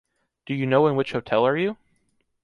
Do you know in which hotel are you?